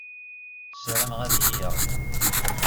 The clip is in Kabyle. Ssarameɣ ad iyi-yeṛju.